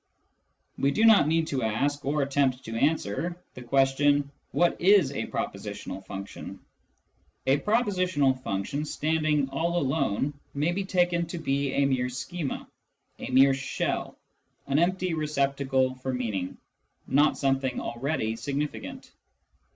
We do not need to ask, or attempt to answer, the question :" What is a propositional function ?" A propositional function standing all alone may be taken to be a mere schema, a mere shell, an empty receptacle for meaning, not something already significant.